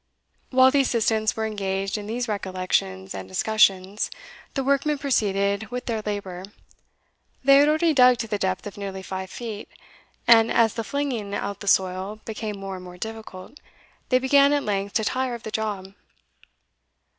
While the assistants were engaged in these recollections and discussions, the workmen proceeded with their labour. They had already dug to the depth of nearly five feet, and as the flinging out the soil became more and more difficult, they began at length to tire of the job.